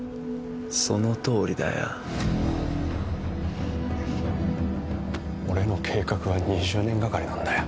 そのとおりだよ。俺の計画は２０年がかりなんだよ。